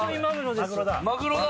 マグロだ！